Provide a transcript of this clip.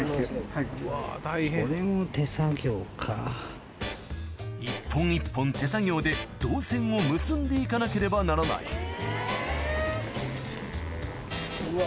・はい・一本一本手作業で銅線を結んで行かなければならないうわ。